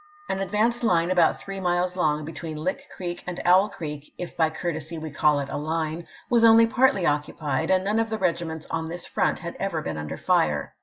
An advance line about three miles long between Lick Creek and Owl Creek, if by courtesy we call it a line, was only partly occu pied, and none of the regiments on this front had ever been under fire.